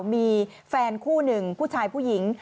มีแฟนคู่หนึ่งผู้ชายผู้หญิง